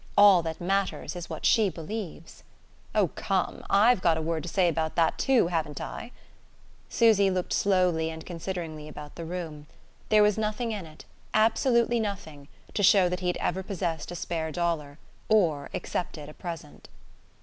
All that matters is what she believes." "Oh, come! I've got a word to say about that too, haven't I?" Susy looked slowly and consideringly about the room. There was nothing in it, absolutely nothing, to show that he had ever possessed a spare dollar or accepted a present.